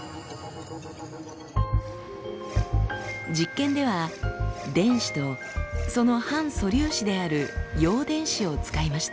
実験では電子とその反素粒子である陽電子を使いました。